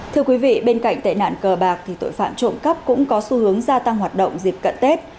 thưa quý vị bên cạnh tệ nạn cờ bạc thì tội phạm trộm cắp cũng có xu hướng gia tăng hoạt động dịp cận tết